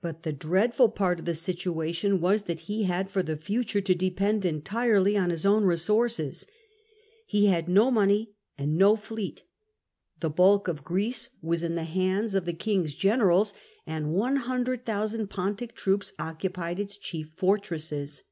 But the dreadful part of the situation was that he had for the future to depend entirely on his own resources. He had no money and no fleet, the bulk of Greece was in the 1 130 SULLA hands of the king's generals, and 100,000 Pontic troops occupied its chief fortresses.